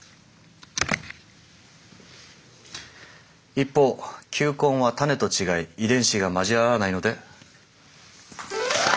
一方球根は種と違い遺伝子が交わらないので。